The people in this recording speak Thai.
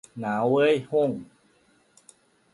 หนาวเว้ย โฮ่ง